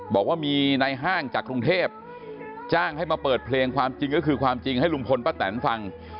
บอกว่ามีในห้างจากกรุงเทพจ้างให้มาเปิดเพลงความจริงก็คือความจริงให้ลุงพลป้าแตนฟัง